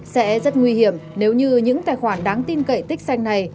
sẽ rất nguy hiểm nếu như những tài khoản đáng tin cậy tích xanh này